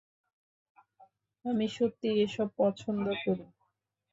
আমি সত্যিই এসব পছন্দ করি।